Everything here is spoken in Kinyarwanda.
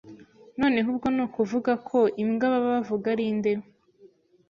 noneho ubwo ni ukuvuga ko imbwa baba bavuga ari nde